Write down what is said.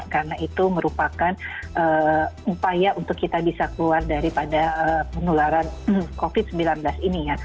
karena itu merupakan upaya untuk kita bisa keluar daripada penularan covid sembilan belas ini